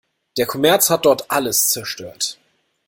Der Kommerz hat dort alles zerstört.